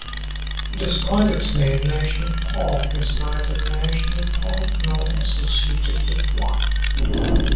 Despite its name, National Park is neither a national park nor associated with one.